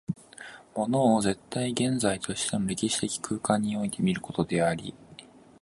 物を絶対現在としての歴史的空間において見ることであり、